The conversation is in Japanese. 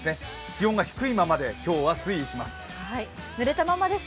気温が低いままで今日は推移します。